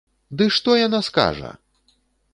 Ды што яна скажа?!